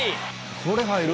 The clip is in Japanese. これ入る？